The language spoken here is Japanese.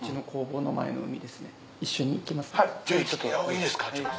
いいですか。